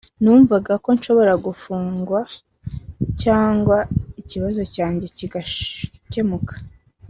numvaga ko nshobora gufungwa cyangwa ikibazo cyanjye kigakemuka